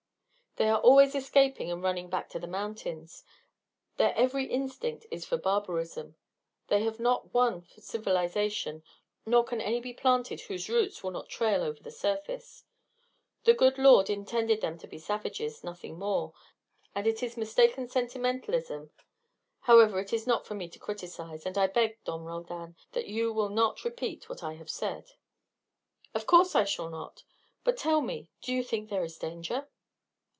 They are always escaping and running back to the mountains. Their every instinct is for barbarism; they have not one for civilization, nor can any be planted whose roots will not trail over the surface. The good Lord intended them to be savages, nothing more; and it is mistaken sentimentalism However, it is not for me to criticise, and I beg, Don Roldan, that you will not repeat what I have said." "Of course I shall not; but tell me, do you think there is danger?"